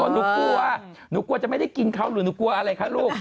หนูกลัวหนูกลัวจะไม่ได้กินเขาหรือหนูกลัวอะไรคะลูก